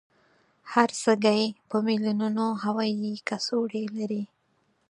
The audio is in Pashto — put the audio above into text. هر سږی په میلونونو هوایي کڅوړې لري.